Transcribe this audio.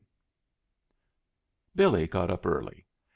IV Billy got up early.